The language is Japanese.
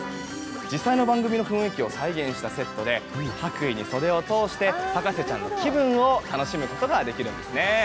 実際の番組の雰囲気を再現したセットで白衣に袖を通して博士ちゃんの気分を楽しめます。